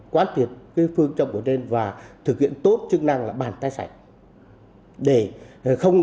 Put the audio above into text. quán tuyệt phương trọng của trên và thực hiện tốt chức năng là bàn tay sạch